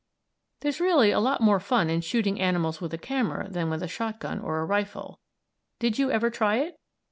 There's really a lot more fun in shooting animals with a camera than with a shotgun or a rifle. Did you ever try it?